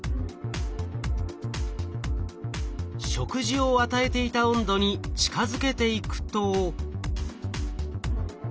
食事を与えていた温度に近づけていくと。